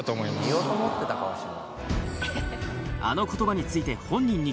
「言おうと思ってた顔してるな」